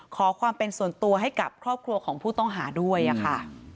ขอความเป็นส่วนตัวให้กับครอบครัวของผู้ต้องหาด้วยค่ะ